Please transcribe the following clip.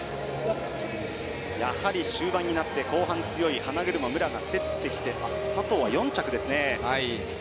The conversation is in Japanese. やはり終盤になって後半強い花車、武良が競ってきて佐藤は４着ですね。